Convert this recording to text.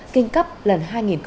kinh cấp lần hai nghìn sáu